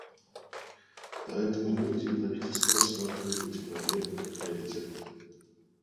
Поэтому в Индии правительство рассматривает эти проблемы как приоритетные.